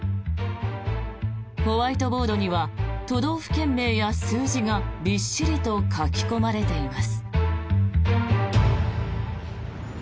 ホワイトボードには都道府県名や数字がびっしりと書き込まれています。